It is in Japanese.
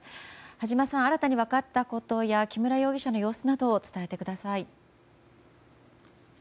羽島さん、新たに分かったことや木村容疑者の様子などを伝えてください。